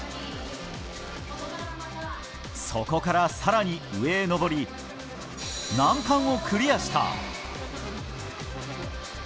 そこから更に上へ登り難関をクリアした。